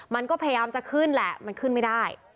มันก็พยายามจะขึ้นแหละมันขึ้นไม่ได้